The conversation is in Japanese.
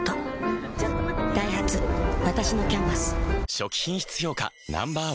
初期品質評価Ｎｏ．１